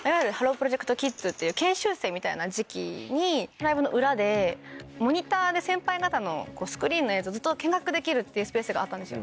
プロジェクト・キッズっていう研修生みたいな時期にライブの裏でモニターで先輩方のスクリーンの映像ずっと見学できるっていうスペースがあったんですよ。